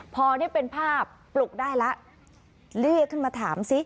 พอนี่เป็นภาพปลุกได้แล้วเรียกขึ้นมาถามซิ